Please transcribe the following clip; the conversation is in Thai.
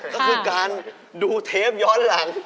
ก็คือการดูเทปย้อนหลัง